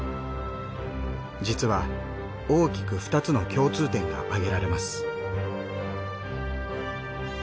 実は大きく２つの共通点が挙げられます。